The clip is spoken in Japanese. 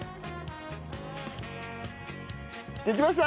できました！